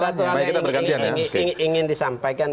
satu hal yang begini ingin disampaikan